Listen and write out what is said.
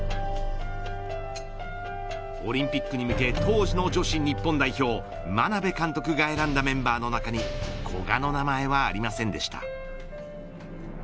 オリンピックに向け当時の女子日本代表眞鍋監督が選んだメンバーの中に古賀の名前はありませんでした。